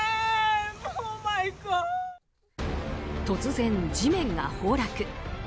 突然、地面が崩落。